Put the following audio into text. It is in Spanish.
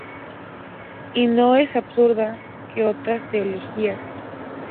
Y no es más absurda que otras teologías.